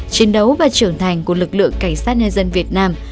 chiến đấu và trưởng thành của lực lượng cảnh sát nhân dân việt nam